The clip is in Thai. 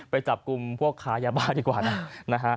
ไปจับกลุ่มพวกค้ายาบ้าดีกว่านะ